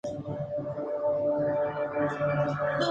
R.: "Definitivamente.